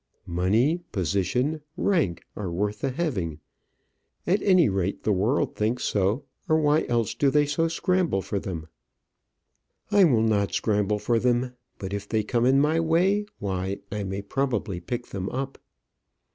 Money, position, rank are worth the having at any rate, the world thinks so, or why else do they so scramble for them? I will not scramble for them; but if they come in my way, why, I may probably pick them up.